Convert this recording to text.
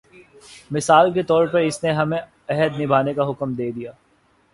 مثال کے طور پر اس نے ہمیں عہد نبھانے کا حکم دیا ہے۔